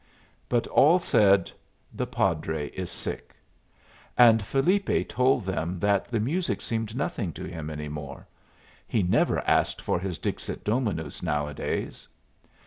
But all said, "The padre is sick." And Felipe told them that the music seemed nothing to him any more; he never asked for his Dixit Dominus nowadays.